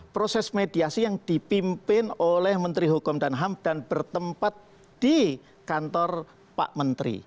proses mediasi yang dipimpin oleh menteri hukum dan ham dan bertempat di kantor pak menteri